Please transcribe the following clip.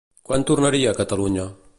Quan tornaria a Catalunya?